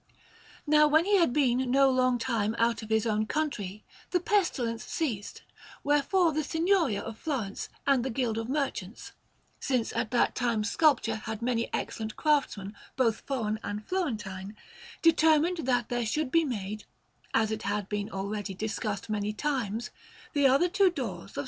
Now, when he had been no long time out of his own country, the pestilence ceased; wherefore the Signoria of Florence and the Guild of Merchants since at that time sculpture had many excellent craftsmen, both foreign and Florentine determined that there should be made, as it had been already discussed many times, the other two doors of S.